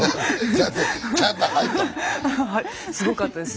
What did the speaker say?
すごかったです。